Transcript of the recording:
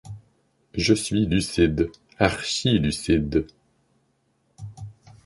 Je suis lucide, archilucide.